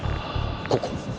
ここ！